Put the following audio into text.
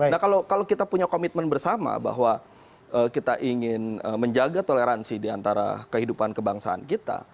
nah kalau kita punya komitmen bersama bahwa kita ingin menjaga toleransi diantara kehidupan kebangsaan kita